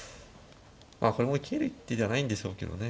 まあこれも切る一手じゃないんでしょうけどね。